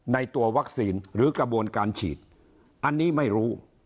ในตัววัคซีนหรือกระบวนการฉีดอันนี้ไม่รู้